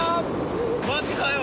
マジかよ！